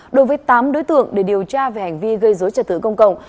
đối với tám đối tượng để điều tra về hành vi gây dối trật tự công cộng